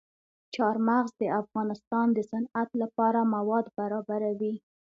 چار مغز د افغانستان د صنعت لپاره مواد برابروي.